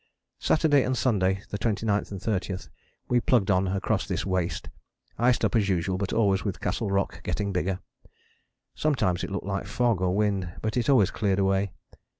Saturday and Sunday, the 29th and 30th, we plugged on across this waste, iced up as usual but always with Castle Rock getting bigger. Sometimes it looked like fog or wind, but it always cleared away.